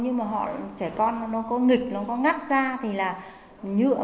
nhưng mà họ trẻ con nó có nghịch nó có ngắt ra thì là nhựa